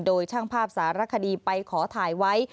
โดยช่างภาพสารคดีไปขอถ่ายไว้